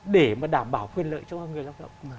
để mà đảm bảo quyền lợi cho người lao động